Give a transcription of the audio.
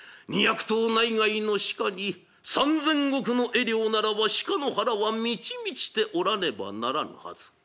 ２００頭内外の鹿に三千石の餌料ならば鹿の腹は満ち満ちておらねばならぬはず。